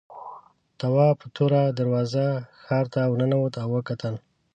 تواب په توره دروازه ښار ته ورننوت او وکتل.